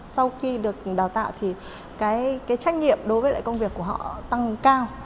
sau khi được đào tạo thì trách nhiệm đối với công việc của họ tăng cao